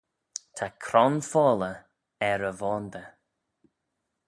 Ta cron folley er y voandey.